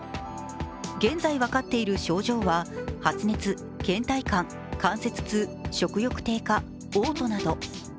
現在分かっている症状は発熱、けん怠感、関節痛、食欲低下、おう吐など。